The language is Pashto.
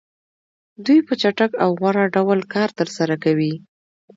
دوی په چټک او غوره ډول کار ترسره کوي